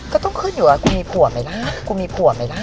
ก็ต้องขึ้นอยู่ว่ากูมีผัวไหมล่ะกูมีผัวไหมล่ะ